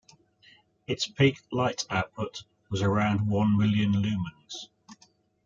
Its peak light output was around a million lumens.